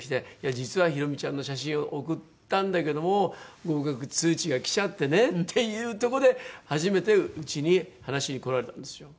「実はひろみちゃんの写真を送ったんだけども合格通知がきちゃってね」っていうとこで初めてうちに話しに来られたんですよ。